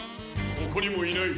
ここにもいない！